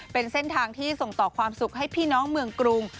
เป็นเส้นทางที่ส่งต่อความสุขให้พี่น้องเมืองกรุง